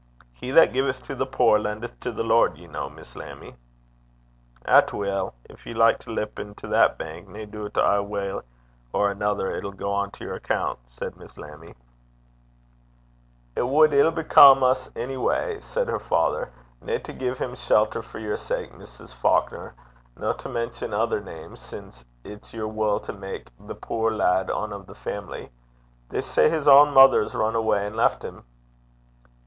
'He that giveth to the poor lendeth to the Lord, ye ken, Miss Lammie.' 'Atweel, gin ye like to lippen to that bank, nae doobt ae way or anither it'll gang to yer accoont,' said Miss Lammie. 'It wad ill become us, ony gait,' said her father, 'nae to gie him shelter for your sake, Mrs. Faukner, no to mention ither names, sin' it's yer wull to mak the puir lad ane o' the family. They say his ain mither's run awa' an' left him.'